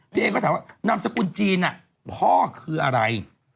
พี่เอก็ถามว่านามสกุลจีนพ่อคืออะไร